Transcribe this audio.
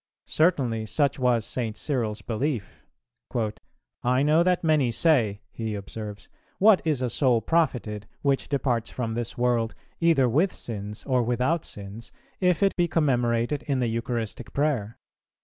Certainly such was St. Cyril's belief: "I know that many say," he observes, "what is a soul profited, which departs from this world either with sins or without sins, if it be commemorated in the [Eucharistic] Prayer?